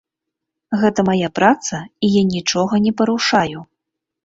Гэта мая праца, і я нічога не парушаю.